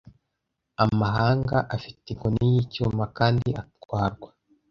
Amahanga afite inkoni y'icyuma, kandi atwarwa